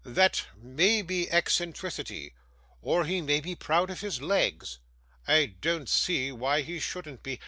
That may be eccentricity, or he may be proud of his legs. I don't see why he shouldn't be.